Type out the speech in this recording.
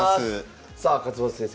さあ勝又先生